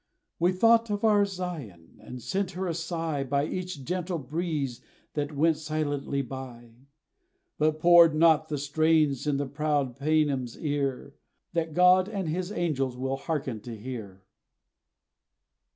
We thought of our Zion, and sent her a sigh By each gentle breeze, that went silently by; But poured not the strains in the proud Painim's ear, That God and his angels will hearken to hear!